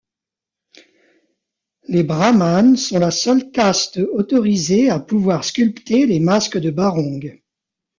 Les brahmanes sont la seule caste autorisée à pouvoir sculpter les masques de Barong.